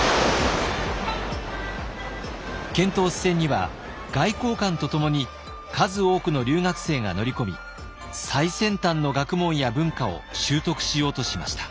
遣唐使船には外交官とともに数多くの留学生が乗り込み最先端の学問や文化を習得しようとしました。